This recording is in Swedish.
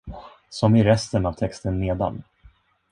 Som i resten av texten nedan.